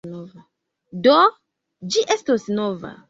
Do, ĝi estos nova.